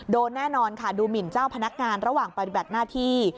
แน่นอนค่ะดูหมินเจ้าพนักงานระหว่างปฏิบัติหน้าที่